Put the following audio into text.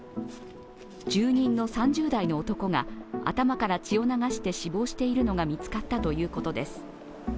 住人の３０代の男が頭から血を流して死亡しているのが見つかったということです。